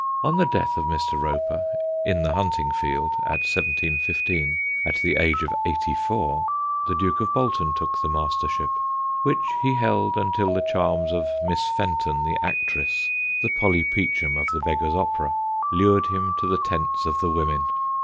On the death of Mr. Roper in the hunting field, in 1715, at the age of eighty four the Duke of Bolton took the Mastership, which he held until the charms of Miss Fenton the actress (the Polly Peachum of The Beggars' Opera) lured him to the tents of the women.